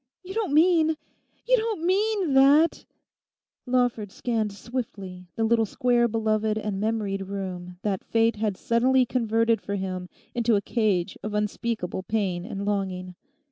You don't mean, you don't mean—that—?' Lawford scanned swiftly the little square beloved and memoried room that fate had suddenly converted for him into a cage of unspeakable pain and longing.